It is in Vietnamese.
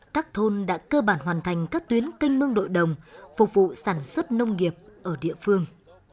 các thôn đã cơ bản hoàn thành các tuyến canh mương nội đồng phục vụ sản xuất nông nghiệp ở địa phương